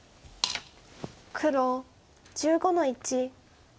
黒１５の一ツギ。